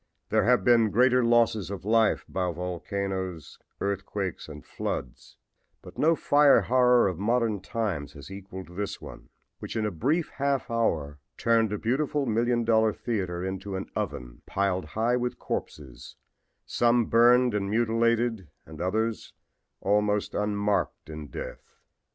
There have been greater losses of life by volcanoes, earthquakes and floods, but no fire horror of modern times has equaled this one, which in a brief half hour turned a beautiful million dollar theater into an oven piled high with corpses, some burned and mutilated and others almost unmarked in death.